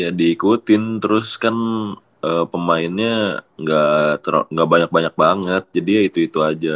ya diikutin terus kan pemainnya gak banyak banyak banget jadi ya itu itu aja